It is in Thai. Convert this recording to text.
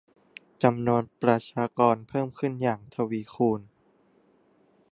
จำนวนประชากรเพิ่มขึ้นอย่างทวีคูณ